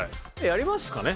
やりますかね。